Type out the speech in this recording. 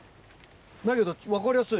だけど分かりやすい。